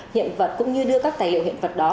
hiện vật cũng như đưa các tài liệu hiện vật đó